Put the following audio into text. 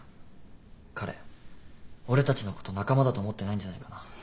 彼俺たちのこと仲間だと思ってないんじゃないかな。